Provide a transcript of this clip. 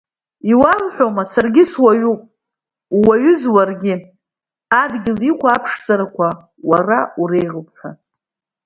Иуалҳәома саргьы суаҩуп, ууаҩыз уаргьы, адгьыл иқәу аԥшӡарақәа уара уреиӷьуп ҳәа?